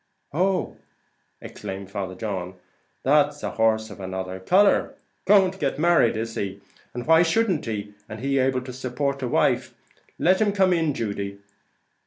"Oh," exclaimed Father John, "that's a horse of another colour; going to get married, is he? and why shouldn't he, and he able to support a wife? let him come in, Judy."